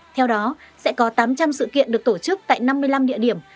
theo đó sẽ có tám trăm linh sự kiện được tổ chức tại năm mươi năm địa điểm